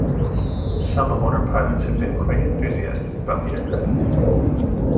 Some owner-pilots have been quite enthusiastic about the aircraft.